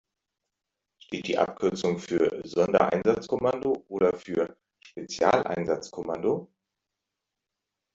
Steht die Abkürzung für Sondereinsatzkommando oder für Spezialeinsatzkommando?